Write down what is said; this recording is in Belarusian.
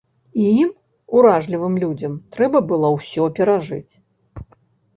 І ім, уражлівым людзям, трэба было ўсё перажыць.